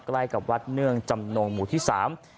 ใกล้กับวัดเนื่องจำนงหมู่ที่สาม